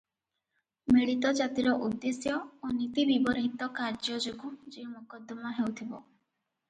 ମିଳିତ ଜାତିର ଉଦ୍ଦେଶ୍ୟ ଓ ନୀତିବିବର୍ହିତ କାର୍ଯ୍ୟ ଯୋଗୁ ଯେଉଁ ମକଦ୍ଦମା ହେଉଥିବ ।